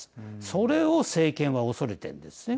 それを政権はおそれているんですね。